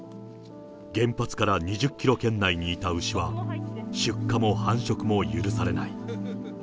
原発から２０キロ圏内にいた牛は出荷も繁殖も許されない。